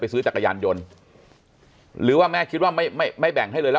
ซื้อจักรยานยนต์หรือว่าแม่คิดว่าไม่ไม่แบ่งให้เลยแล้ว